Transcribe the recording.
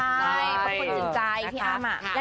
ใช่เพราะคนจินใจพี่อ้ำอ่ะ